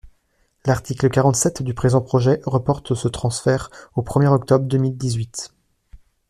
L’article quarante-sept du présent projet reporte ce transfert au premier octobre deux mille dix-huit.